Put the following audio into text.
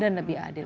dan lebih adil